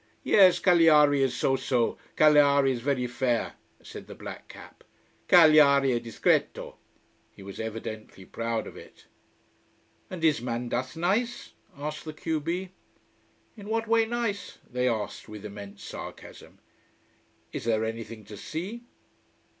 "Yes Cagliari is so so Cagliari is very fair," said the black cap. "Cagliari è discreto." He was evidently proud of it. "And is Mandas nice?" asked the q b. "In what way nice?" they asked, with immense sarcasm. "Is there anything to see?"